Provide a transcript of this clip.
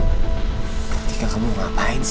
kak tika kamu ngapain sih